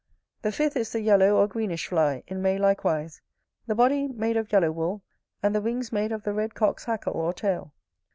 The fifth is the yellow or greenish fly, in May likewise: the body made of yellow wool; and the wings made of the red cock's hackle or tail.